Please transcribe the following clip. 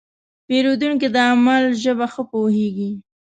پیرودونکی د عمل ژبه ښه پوهېږي.